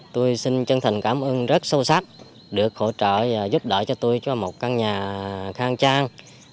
tôi xin chân thành cảm ơn rất sâu sắc được hỗ trợ và giúp đỡ cho tôi cho một căn nhà khang trang